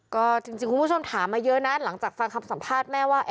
ก็จริงคุณผู้ชมถามมาเยอะนะหลังจากฟังคำสัมภาษณ์แม่ว่า